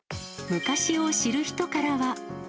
昔を知る人からは。